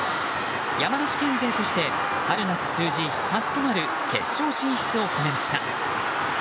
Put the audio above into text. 山梨県勢として春夏通じ初となる決勝進出を決めました。